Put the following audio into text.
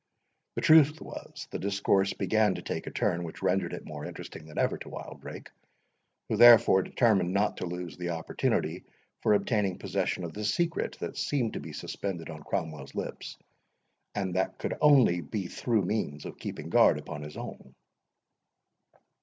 The truth was, the discourse began to take a turn which rendered it more interesting than ever to Wildrake, who therefore determined not to lose the opportunity for obtaining possession of the secret that seemed to be suspended on Cromwells lips; and that could only be through means of keeping guard upon his own.